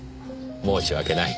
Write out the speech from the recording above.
申し訳ない。